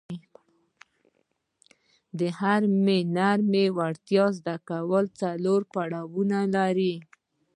د هرې نرمې وړتیا زده کول څلور پړاونه لري.